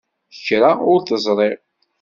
Kra ur t-ẓriɣ.